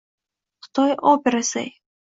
xitoy operasiday